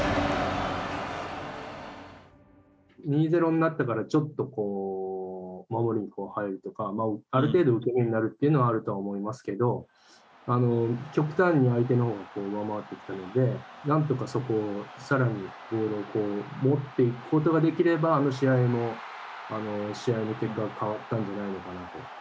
２、０になったから守りに入るとかある程度受け身になるというのはあると思いますけど極端に相手のほうが上回ってきたのでなんとかそれをさらにボールを持っていくことができればあの試合も試合の結果は変わったんじゃないのかな